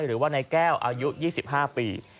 หรือว่านายแก้วอายุ๒๕ปี